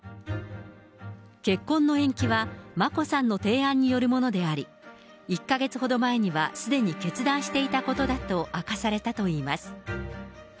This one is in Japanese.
結婚の延期は、眞子さんの提案によるものであり、１か月ほど前にはすでに決断していたことだと明かされたといいます。